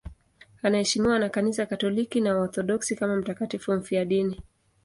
Anaheshimiwa na Kanisa Katoliki na Waorthodoksi kama mtakatifu mfiadini.